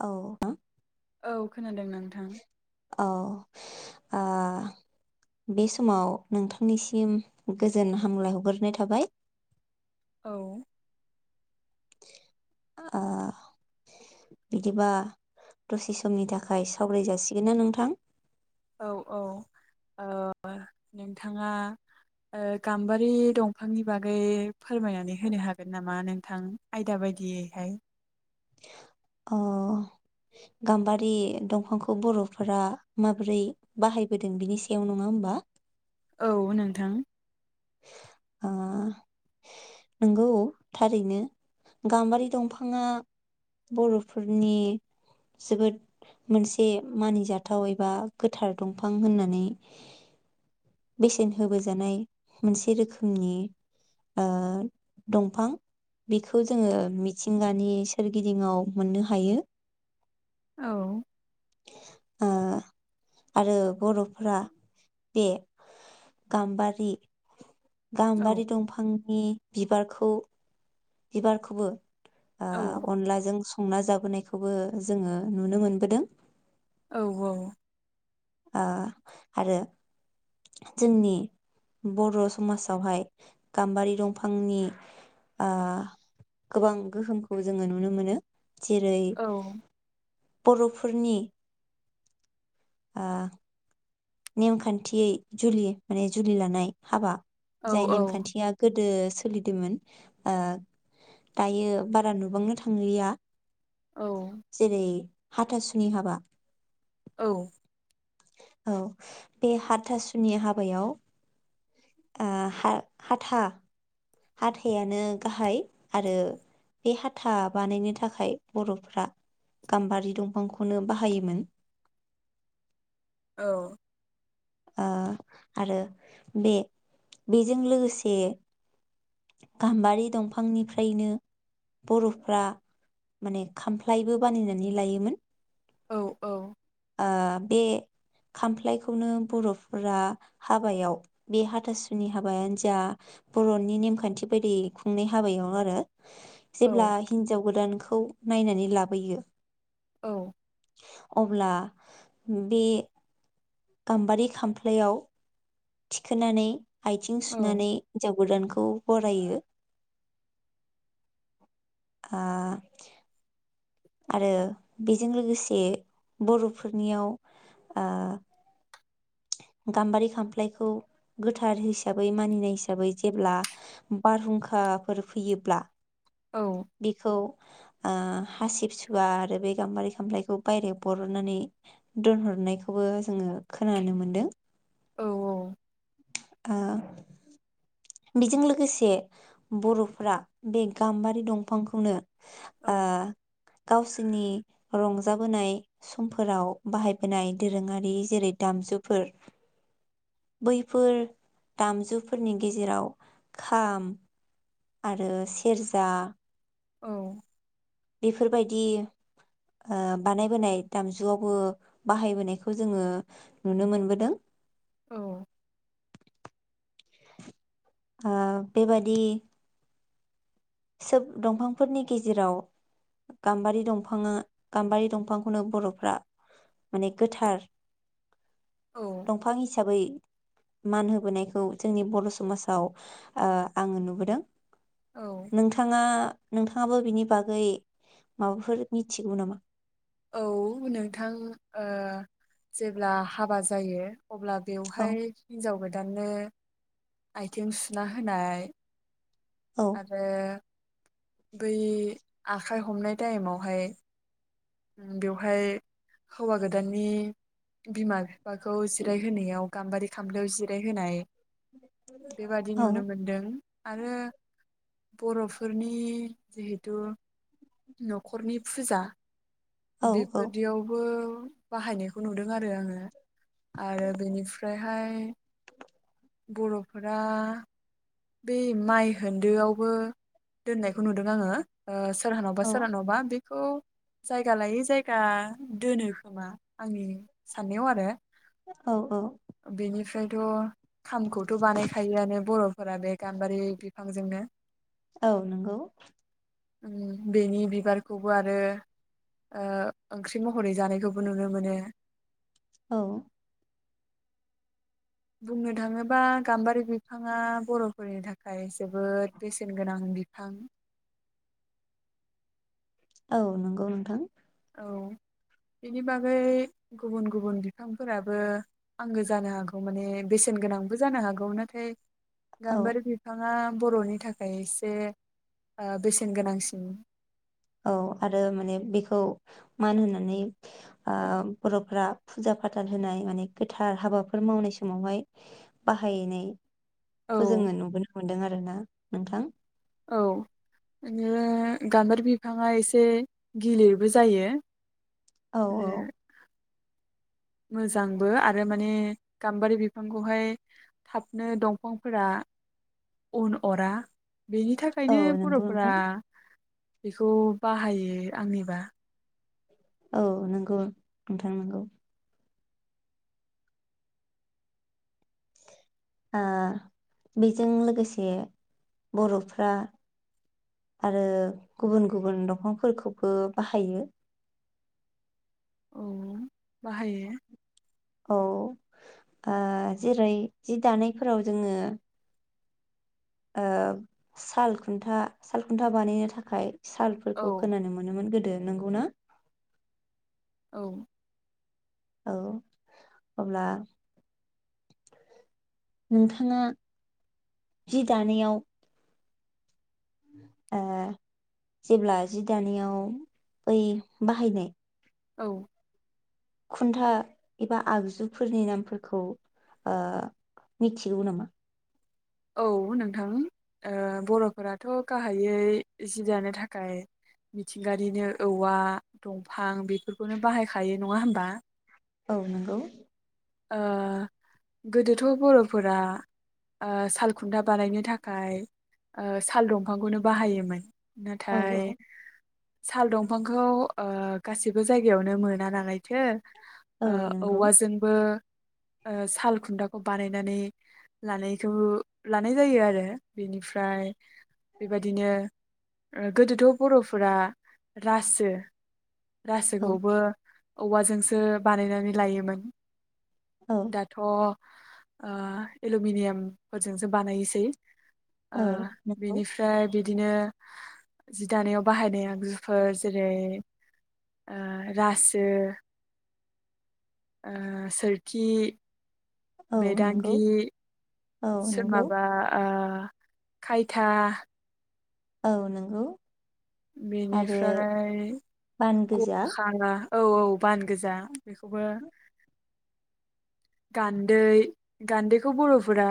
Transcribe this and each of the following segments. औ [unintelligible] औ खोनादों नोंथां। औ आ बे समाव नोंथांनिसिम गोजोन हामलाय हगारनाय थाबाय। औ। ओ बिदिबा दसे समनि थाखाय सावराय जासिगोन ना नोंथां? औ औ ओ नोंथाङा ओ गाम्बारि दंफांनि बागै फोरमायनानै होनो हागोन नामा नोंथां आयदा बायदियैहाय? अह गाम्बारि दंफांखौ बर'फोरा माबोरै बाहायबोदों बिनि सायाव नङा होमबा? औ नोंथां। ओ नोंगौ थारैनो। गाम्बारि दंफाङा बर'फोरनि जोबोद मोनसे मानिजाथाव एबा गोथार दंफां होन्नानै बेसेन होबोजानाय मोनसे रोखोमनि ओ दंफां। बेखौ जोङो मिथिंगानि सोरगिदिङाव मोन्नो हायो। औ। ओ आरो बर'फोरा बे गाम्बारि औ गाम्बारि दंफांनि बिबारखौ बिबारखौबो ओ औ अनलाजों संना जा बोनायखौबो जोङो नुनो मोनबोदों। औ औ। ओ आरो जोंनि बर' समाजावहाय गाम्बारि दंफांनि ओ गोबां गोहोमखौ जोङो नुनो मोनो। जेरै औ बर'फोरनि आ नेमखान्थियै जुलि माने जुलि लानाय हाबा औ जाय नेमखान्थिया गोदो सोलिदोंमोन ओ दायो बारा नुबांनो थांलिया। औ जेरै हाथासुनि हाबा। औ। औ बे हाथासुनि हाबायाव ओ हा-हाथा हाथायानो गाहाय आरो बे हाथा बानायनो थाखाय बर'फोरा गाम्बारि दंफांखौनो बाहायोमोन। औ। ओ आरो बे-बेजों लोगोसे गाम्बारि दंफांनिफ्रायनो बर'फ्रा माने खामफ्लायबो बानायनानै लायोमोन। औ औ। ओ बे खामफ्लायखौनो बर'फोरा हाबायाव बे हाथासुनि हाबायानो जा बर'नि नेमखान्थि बायदि खुंनाय हाबायाव आरो जेब्ला हिन्जाव गोदानखौ नायनानै लाबोयो औ। अब्ला बे गाम्बारि खामफ्लायाव थिखोनानै आथिं औ सुनानै हिन्जाव गोदानखौ बरायो। आह आरो बेजों लोगोसे बर'फोरनियाव ओ गाम्बारि खामफ्लायखौ गोथार हिसाबै मानिनाय हिसाबै जेब्ला बारहुंखाफोर फैयोब्ला बिखौ ओ हासिबसोवा आरो बे गाम्बारि खामप्लायखौ बायरायाव बरननानै दोनहरनायखौबो जोङो खोनानो मोन दों [unintelligible] आ बेजों लोगोसे बर'फ्रा बे गाम्बारि दंफांखौनो आ गाव सोमनि रंजाबोनाय समफोराव बाहायबोनाय दोरोङारि जेरै दामजुफोर। बैफोर दामजुफोरनि गे जेराव खाम आरो सेरजा औ बेफोरबायदि ओ बानायबोनाय दामजुआवबो बाहायबोनायखौ जोंङो नुनो मोनबोदों। औ आ बेबादि सोब दंफांफोरनि गेजेराव गाम्बारि दंफांङा गाम्बारि दंफांखौनो बरफ्रा माने गोथार औ दंफां हिसाबै मान होबोनायखौ जोंनि बर'समाजाव आ आंङो नुबोदों। औ नोंथांङा नोंथाङाबो बिनि बागै माबाफोर मिथिगौ नामा? औ नोंथां ओ जेब्ला हाबा जायो अब्ला औ बेवहाय हिनजाव गो दाननो आथिं सुना होनाय औ आरो बै आखाइ हमनाय टाइमावहाय उम बेवहाय हौवा गोदाननि बिमा बिफाखौ जिरायहोनायाव गाम्बारि खामबलयाव जिरायहोनाय बेबादि औ नुनो मोनदों आरो बर'फोरनि जिहेतु नखरनि फुजा औ औ बेफोर दियावबो बाहायनायखौ नुदों आरो आंङो आरो बेनिफ्रायहाय बर'फोरा बे माइ होनदो आवबो दोननायखौ नुदों आंङो। ओ सोरहानाव बा औ सोरहानाव बा बि खौ जायगा लायै जायगा दोनो खोमा आंनि साननायाव आरो। औ औ फ्रायथ खामखौथ बानायखायोआनो बर' फोरा बे गाम्बारि बिफांजोंनो। औ नंगौ। ओनि बेनि बिबारखौबो आरो ओंख्रि महरै जानायखौबो नुनो मोनो। औ बुंनो थांङोबा गाम्बारि बिफांङा बर'फोरनि थाखाय जोबोद बेसेन गोनां बिफां औ नंगौ नोंथां। औ बेनि बागै गुबुन गुबुन बिफांफोराबो आंगो जानो हागौ माने बेसेन गोनांबो जानो हागौ नाथाय औ गाम्बारि बिफांङा बर'नि थाखाय एसे ओ बेसेन गोनांसिन। औ आरो माने बेखौ मान होनानै ओ बर'फ्रा फुजा फाथाल होनाय माने गोथार हाबाफोर मावनाय समावहाय बाहायनाय औ खौ जोङो नुबोनो मोन्दों आरो ना। नोंथां। औ बिनो गाम्बारि बिफाङा एसे गिलिरबो जायो। औ औ। आरो मोजांबो आरो माने गाम्बारि बिफांखौहाय थाबनो दंफांफोरा उन अरा। बेनि औ थाखायनो नंगौ बर'फोरा नोंथां बेखौ बाहायो आंनिबा। औ नोंगौ नोंथां नोंगौ। आ बेजों लोगोसे बर'फ्रा आरो गुबुन गुबुन दंफांफोरखौबो बाहायो। औ बाहायो। औ जेरै जि दानायफोराव जोङो ओ साल खुन्था साल खुन्था बानायनो थाखाय औ सालफोरखौ खोनानो मोनोमोन गोदो। नोंगौना? औ। औ अब्ला नोंथाङा जि दानायाव ओ जेब्ला जि दानायाव बै बाहायनाय औ। खुन्था एबा आगजुफोरनि नामफोरखौ ओ मिथिगौ नामा? औ नोंथां ओ बर'फोराथ गाहायै जि जानो थाखाय मिथिंगानिनो औवा दंफां बेफोरखौनो बाहायखायो नङा होमबा। औ नोंगौ। ओ गोदोथ बर'फोरा सालखुन्था बानायनो थाखाय साल दंफांखौनो बाहायोमोन। औ नाथाय साल दंफांखौ ओ गासिबो जायगायावनो मोना नालायथो ओ औ नंगौ औवा जों [unintelligible] साल खुन्थाखौ बानायनानै लानायखौ लानाय जायो आरो। बेनिफ्राय बेबायदिनो ओ गोदोथ बर'फोरा रासो औ गासैखौबो औवाजोंसो बानायनानै लायोमोन। औ दाथ ओ‌ एलुमिनियाम फोरजोंसो बानायोसै। ओ औ नंगौ बिनिफ्राय बि दिनो जि दानायाव बाहायनाय आगजुफोर जेरै ओ रासो, ओ सोरखि, औ नंगौ बेदांगि, औ सोर नंगौ माबा आ ओ खायथा औ नोंगौ। बेनिफ्राय बान गोजा गरखा औ औ बान गोजा बेखौबो गान्दै-गान्दैखौ बर'फोरा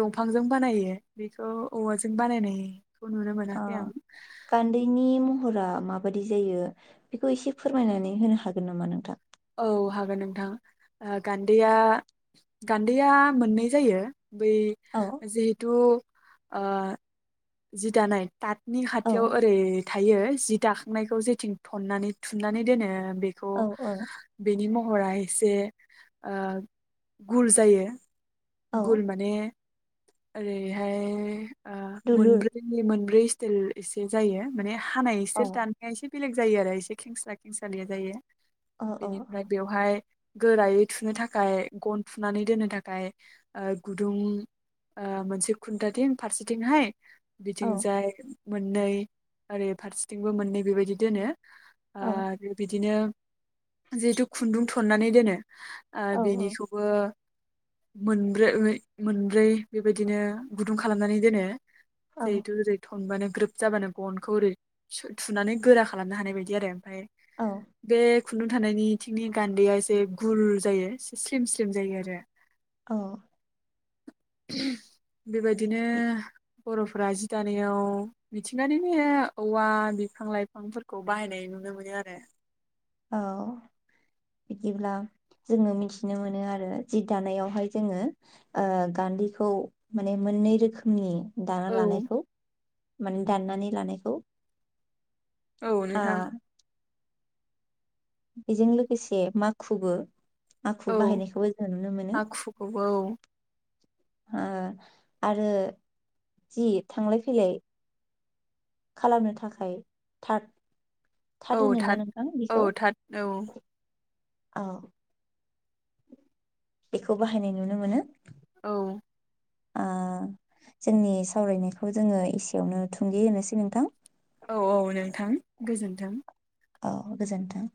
दंफांजों बानायो। बेखौ औवाजों बानायनाय अ गान्दैनि मुं हरा माबादि जायो बेखौ एसे फोरमायनानै होनो हागोन नामा नोंथा? औ हागोन नोंथां ओ गान्दैया-गान्दैया मोननै जायो। बै औ जिहेथु ओ जि दानाय दाथनि औ खाथियाव ओरै थायो जि दाखांनायखौ जेथिं थन्नानै थुननानै दोनो बेखौ औ औ बेनि म हरा एसे ओ गुर जायो। औ गुल माने ओरैहाय ओ दुलुर मोनब्रै नि मोनब्रै टेल एसे जायो माने हा अ एसोर दान्नाय बेलेग जायो आरो एसे खेंस्ला खेंसालिया जायो। अ अ बेनिफ्राय बेवहाय गोरायै थुनो थाखाय गन थुनानै दोननो थाखाय ओ गुदुं ओ मोनसे खुन्थाथिं फारसेथिंहाय औ बिथिं जाय मोननै ओरै फारसेथिंबो मोननै बेबायदि दोनो ओ औ बो बिदिनो जिहेतु खुन्दुं थुननानै दोनो ओ बेनिखौबो मोनब्रो ङै मोनब्रै बेबायदिनो गुदुं खालामनानै दोनो। औ जिहेथु जेरै थनबानो ग्रोब जाबानो गनखौ ओरै सु थुनानै गोरा खालामनो हानाय बायदि आरो। फाय औ बे खुन्दुं थानायनिथिंनि गान्दैया एसे गुल जायो से स्लिम स्लिम जायो आरो। औ बेबायदिनो बर'फोरा जि दानायाव मिथिंगानिनो औवा बिफां लायफांफोरखौ बाहायनाय नुनो मोनो आरो। औ बिदिब्ला जोङो मिथिनो मोनो आरो जि दानायावहाय जोङो ओ गान्दैखौ माने मोननै रोखोमनि दाना औ लानायखौ। माने दाननानै लानायखौ। औ आ नोंथां। बेजों लोगोसे माखुबो। माखु औ बाहायनायखौबो जों नुनो मोनो। आखुखौबो औ ओ आरो जि थांलाय फैलाय खालामनो थाखाय थाद औ थाद -औ थाद औ औ बेखौ बाहायनाय नुनो मोनो। औ ओ जोंनि सावरायनायखौ जोंङो एसेयावनो थुंगे होनोसै नोंथां। औ औ नोंथां गोजोन्थों औ गोजोन्थों।